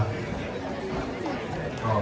ขอบคุณครับ